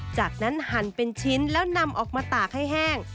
จากนั้นหั่นเป็นชิ้นแล้วนำออกมาตากให้แห้ง